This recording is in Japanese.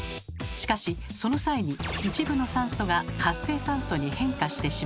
しかしその際に一部の酸素が活性酸素に変化してしまいます。